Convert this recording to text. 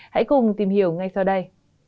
hãy cùng tìm hiểu ngay sau đây